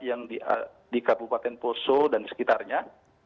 yang di kabupaten poso dan sekitarnya